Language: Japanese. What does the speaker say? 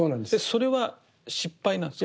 それは失敗なんですか？